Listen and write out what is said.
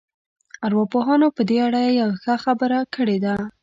ارواپوهانو په دې اړه يوه ښه خبره کړې ده.